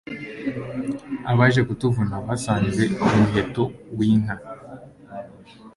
Abaje kutuvuna basanze umuheto w,inka